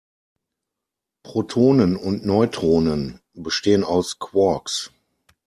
Protonen und Neutronen bestehen aus Quarks.